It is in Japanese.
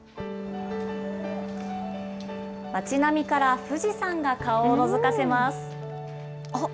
町並みから富士山が顔をのぞかせます。